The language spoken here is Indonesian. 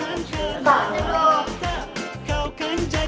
akhirnya masuk ke otak